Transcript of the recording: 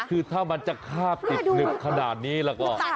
คือถ้ามันจะคาบติดหนึบขนาดนี้แล้วก็